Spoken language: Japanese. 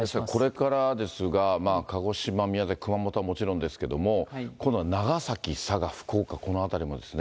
これからですが、鹿児島、宮崎、熊本はもちろんですけれども、この長崎、佐賀、福岡、この辺りもですね。